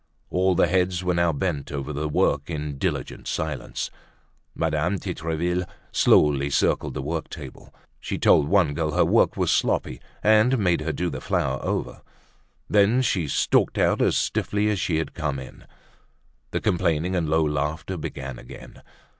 All the heads were now bent over the work in diligent silence. Madame Titreville slowly circled the work table. She told one girl her work was sloppy and made her do the flower over. Then she stalked out as stiffly as she had come in. The complaining and low laughter began again.